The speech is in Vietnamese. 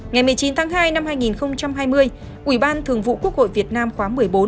ngày một mươi chín tháng hai năm hai nghìn hai mươi ủy ban thường vụ quốc hội việt nam khóa một mươi bốn